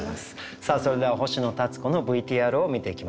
さあそれでは星野立子のＶＴＲを見ていきましょう。